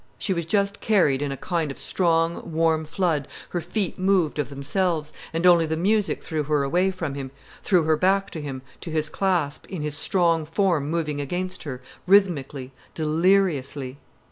She was just carried in a kind of strong, warm flood, her feet moved of themselves, and only the music threw her away from him, threw her back to him, to his clasp, in his strong form moving against her, rhythmically, deliriously.